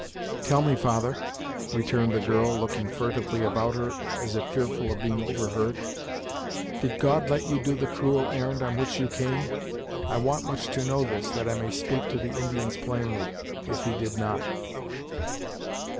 "Tell me, father " returned the girl, looking furtively about her as if fearful of being overheard, "did God let you do the cruel errand on which you came? I want much to know this, that I may speak to the Indians plainly, if he did not."